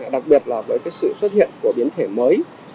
đặc biệt là với sự xuất hiện của biến thể mới